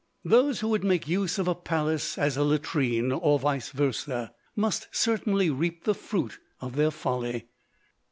Those who make use of a palace as a latrine, or vice versa, must certainly reap the fruit of their folly.